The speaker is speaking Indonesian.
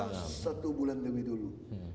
karena mereka satu bulan lebih dulu